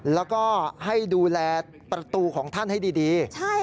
แล้วก็ให้ดูแลประตูของท่านให้ดี